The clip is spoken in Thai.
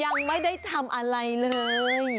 ยังไม่ได้ทำอะไรเลย